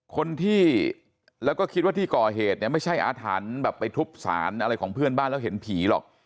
คนที่แล้วก็คิดว่าที่ก่อเหตุเนี่ยไม่ใช่อาถรรพ์แบบไปทุบสารอะไรของเพื่อนบ้านแล้วเห็นผีหรอก